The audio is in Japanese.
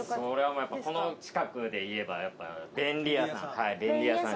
もうやっぱこの近くでいえばやっぱべんり屋さん